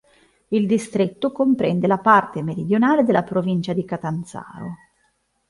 Il distretto comprende la parte meridionale della provincia di Catanzaro.